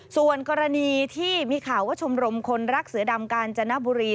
ส่วนกรณีที่มีข่าวว่าชมรมคนรักเสือดำกาญจนบุรี